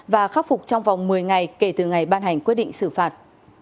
và khắc phục trong vòng một mươi ngày kể từ ngày ban hành quyết định xử phạt